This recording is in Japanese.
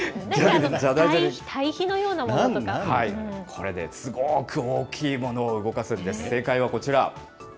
これね、すごく大きいものを動かすんです、正解はこちら。